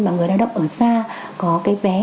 và người lao động ở xa có cái vé